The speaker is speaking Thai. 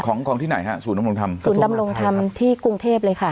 ของของที่ไหนฮะศูนยำรงธรรมศูนย์ดำรงธรรมที่กรุงเทพเลยค่ะ